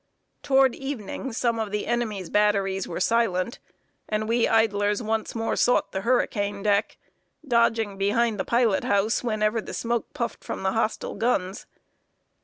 Toward evening, some of the enemy's batteries were silent, and we idlers once more sought the hurricane deck, dodging behind the pilot house whenever the smoke puffed from the hostile guns.